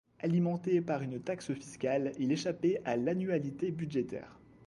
Alimenté par une taxe fiscale, il échappait à l’annualité budgétaire.